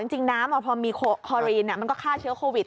จริงน้ำพอมีคอรีนมันก็ฆ่าเชื้อโควิด